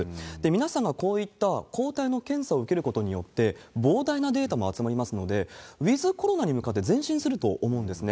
皆さんがこういった抗体の検査を受けることによって膨大なデータも集まりますので、ウィズコロナに向かって前進すると思うんですね。